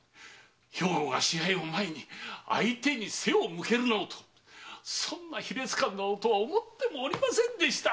兵庫が試合を前に相手に背を向けるなどとそんな卑劣漢とは思ってもおりませんでした！